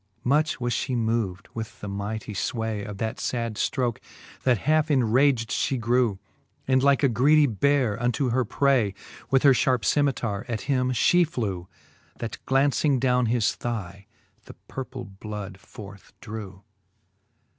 Much was flie moved with the mightie fway Of that fad ftroke, that halfe enrag'd fhe grew, And like a greedy beare unto her pray, With her fharpe cemitare at him fhe flew, That glauncing downe his thigh, the purple bloud forth drew.